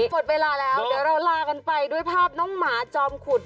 หมดเวลาแล้วเดี๋ยวเราลากันไปด้วยภาพน้องหมาจอมขุด